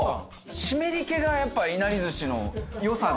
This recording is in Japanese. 湿り気がやっぱいなり寿司の良さなのに。